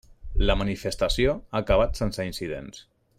La manifestació ha acabat sense incidents.